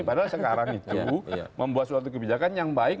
padahal sekarang itu membuat suatu kebijakan yang baik